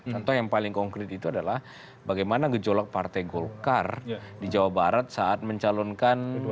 contoh yang paling konkret itu adalah bagaimana gejolak partai golkar di jawa barat saat mencalonkan